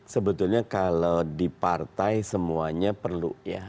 sebetulnya kalau di partai semuanya perlu ya